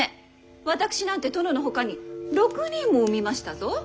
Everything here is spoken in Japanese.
私なんて殿のほかに６人も産みましたぞ。